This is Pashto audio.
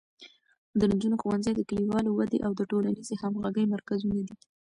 د نجونو ښوونځي د کلیوالو ودې او د ټولنیزې همغږۍ مرکزونه دي.